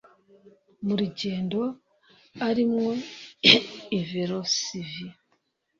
mu rugendo arimwo i Varsovie